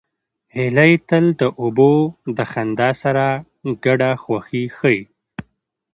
هیلۍ تل د اوبو د خندا سره ګډه خوښي ښيي